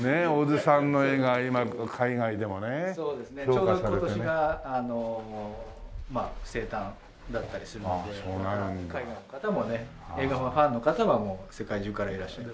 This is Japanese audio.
ちょうど今年が生誕だったりするので海外の方もね映画ファンの方はもう世界中からいらっしゃる。